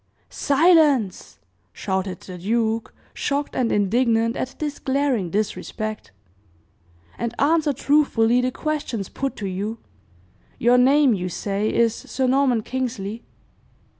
"Silence!" shouted the duke, shocked and indignant at this glaring disrespect, "and answer truthfully the questions put to you. Your name, you say, is Sir Norman Kingsley?"